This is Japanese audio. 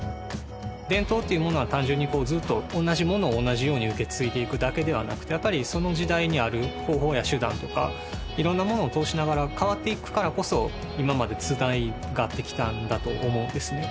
伝統っていうものは単純にこうずっと同じものを同じように受け継いでいくだけではなくてやっぱりその時代にある方法や手段とかいろんなものを通しながら変わっていくからこそ今までつながってきたんだと思うんですね